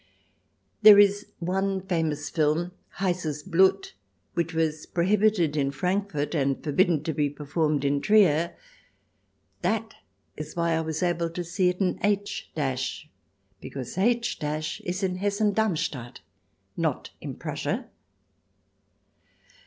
There is one famous film, " Heisses Blut," which was prohibited in Frankfort and forbidden to be performed in Trier. That is why I was able to see it in H , because H is in Hessen Darmstadt, not in Prussia.